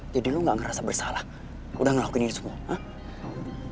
jadi lo gak ngerasa bersalah udah ngelakuin ini semua ha